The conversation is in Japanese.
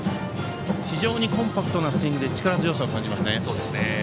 コンパクトなスイングで力強さを感じますね。